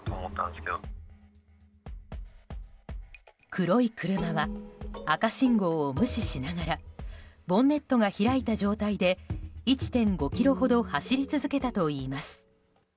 黒い車は赤信号を無視しながらボンネットが開いた状態で１．５ｋｍほど走り続けたといいます。